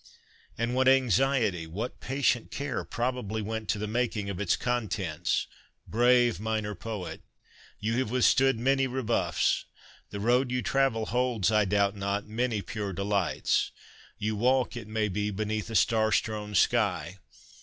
And what anxiety, what patient care, probably went to the making of its contents ! Brave minor poet ! You have with stood many rebuffs. The road you travel holds, I doubt not, many pure delights : you walk, it may be, beneath a star strewn sky.